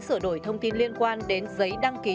sửa đổi thông tin liên quan đến giấy